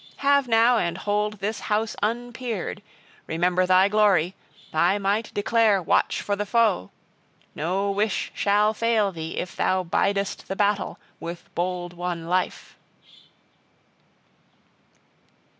Have now and hold this house unpeered; remember thy glory; thy might declare; watch for the foe! No wish shall fail thee if thou bidest the battle with bold won life."